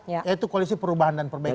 yaitu koalisi perubahan dan perbaikan